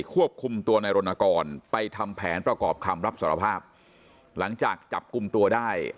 ควบคุมตัวในรณกรไปทำแผนประกอบคำรับสารภาพหลังจากจับกลุ่มตัวได้